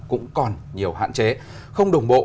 cũng còn nhiều hạn chế không đồng bộ